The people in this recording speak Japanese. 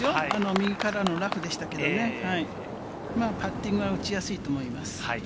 右からのラフでしたけれどもね、パッティングは打ちやすいと思います。